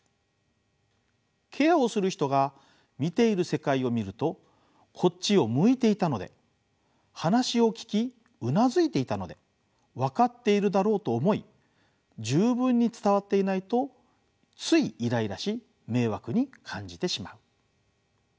ケアをする人が見ている世界を見るとこっちを向いていたので話を聞きうなずいていたのでわかっているだろうと思い十分に伝わっていないとついイライラし迷惑に感じてしまう。